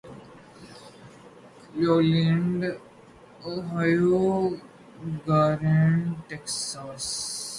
Cleveland Ohio گارینڈ Texas